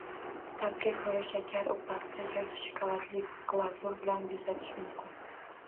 Ta’bga ko‘ra, shakar upasi yoki shokoladli glazur bilan bezatish mumkin